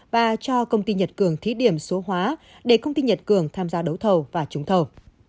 và cho công ty nhật cường thí điểm số hóa để công ty nhật cường tham gia đấu thầu và trúng thầu